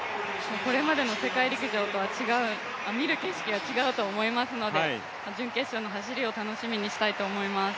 これまでの世界陸上とは違う、見る景色が違うと思いますので準決勝の走りを楽しみにしたいと思います。